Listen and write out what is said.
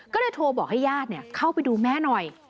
ก็เลยโทรบอกให้ญาติเข้าไปดูแม่หน่อย